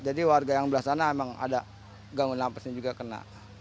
jadi warga yang belah sana emang ada ganggu nafasnya juga kena